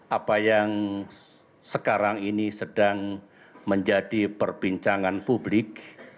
apa yang sekarang ini sedang menjadi perbincangan publik